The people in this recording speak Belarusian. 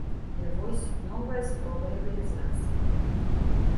І вось новая спроба легалізацыі.